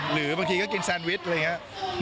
หรือบางทีก็กินแซนวิชอะไรอย่างนี้